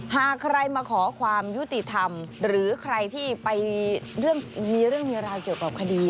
หากใครมาขอความยุติธรรมหรือใครที่ไปมีเรื่องมีราวเกี่ยวกับคดี